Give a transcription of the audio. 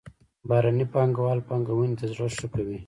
بهرني پانګوال پانګونې ته زړه ښه کوي.